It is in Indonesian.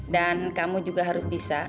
dan kamu juga harus bisa